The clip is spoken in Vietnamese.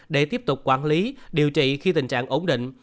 để tiếp tục quản lý điều trị khi tình trạng ổn định